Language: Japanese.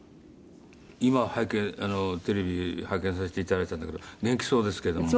今拝見テレビ拝見させていただいたんだけど元気そうですけども。